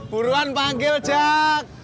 buruan panggil jack